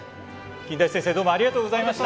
金田一先生どうもありがとうございました！